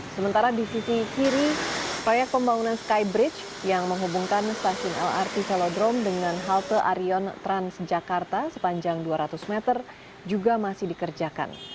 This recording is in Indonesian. sementara di sisi kiri proyek pembangunan skybridge yang menghubungkan stasiun lrt velodrome dengan halte arion transjakarta sepanjang dua ratus meter juga masih dikerjakan